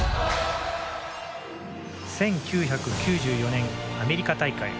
１９９４年、アメリカ大会。